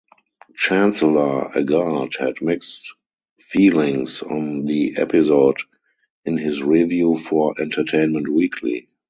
Chancellor Agard had mixed feelings on the episode in his review for "Entertainment Weekly".